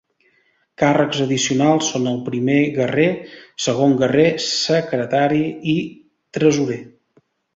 Càrrecs addicionals són el Primer Guerrer, Segon Guerrer, Secretari i Tresorer.